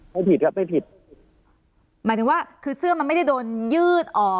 ไม่ผิดครับไม่ผิดหมายถึงว่าคือเสื้อมันไม่ได้โดนยืดออก